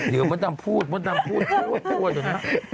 เดี๋ยวมดดำพูดมดดำพูดพูดอยู่นะ